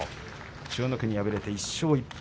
千代の国、敗れて１勝１敗。